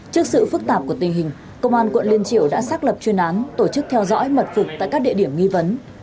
trước sự phức tạp của tình hình công an quận liên triểu đã xác lập chuyên án tổ chức theo dõi mật phục tại các địa điểm nghi vấn